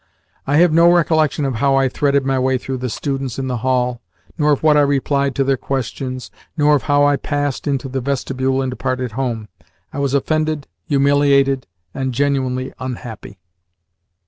I have no recollection of how I threaded my way through the students in the hall, nor of what I replied to their questions, nor of how I passed into the vestibule and departed home. I was offended, humiliated, and genuinely unhappy.